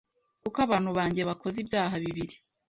Kuko abantu banjye bakoze ibyaha bibiri